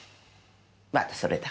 またそれだ。